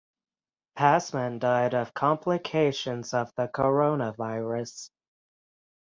Passman died of complications of the coronavirus.